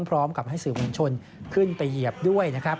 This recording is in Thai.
พร้อมกับให้สื่อมวลชนขึ้นไปเหยียบด้วยนะครับ